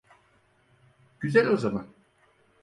Güzel o zaman.